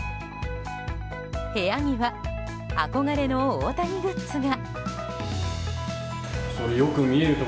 部屋には憧れの大谷グッズが。